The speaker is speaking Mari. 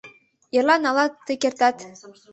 Эрла налат Тый кертат!